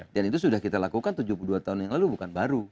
dan itu sudah kita lakukan tujuh puluh dua tahun yang lalu bukan baru